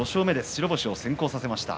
白星を先行させました。